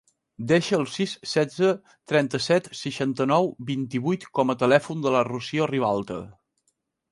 Desa el sis, setze, trenta-set, seixanta-nou, vint-i-vuit com a telèfon de la Rocío Ribalta.